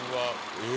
え？